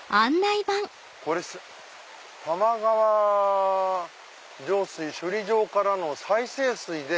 これ玉川上水処理場からの再生水で。